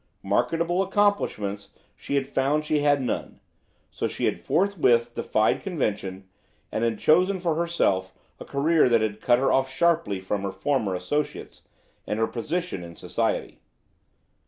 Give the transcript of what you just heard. Marketable accomplishments she had found she had none, so she had forthwith defied convention, and had chosen for herself a career that had cut her off sharply from her former associates and her position in society.